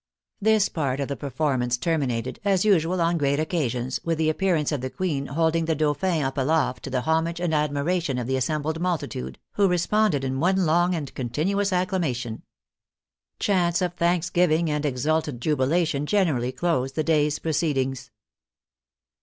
This part of the performance terminated, as usual on great occasions, with the appear ance of the Queen holding the Dauphin up aloft to the homage and admiration of the assembled multitude, who responded in one long and continuous acclamation. Chants of thanksgiving and exultant jubilation generally closed the day's proceedings.